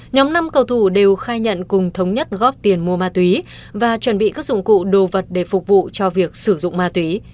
nhóm năm cầu thủ đều khai nhận cùng thống nhất góp tiền mua ma túy và chuẩn bị các dụng cụ đồ vật để phục vụ cho việc sử dụng ma túy